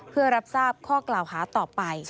เพื่อรับทราบข้อกล่าวหาต่อไป